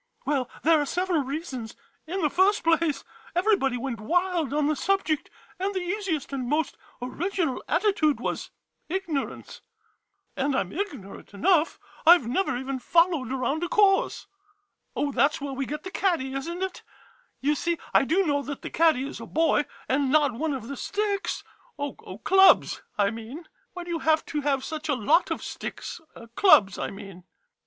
Well, there are several reasons, — in the first place, everybody went wild on the subject, and the easiest and most original attitude was ignorance. And I 'm ignorant enough IOI MODERN MONOLOGUES — I 've never even followed around a course. Oh, that 's where we get the caddy, is n't it? You see, I do know that the caddy is a boy, and not one of the sticks — oh, clubs, I mean. Why do you have to have such a lot of sticks — clubs, I mean